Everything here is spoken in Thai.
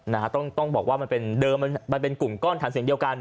นะฮะต้องต้องบอกว่ามันเป็นเดิมมันมันเป็นกลุ่มก้อนฐานเสียงเดียวกัน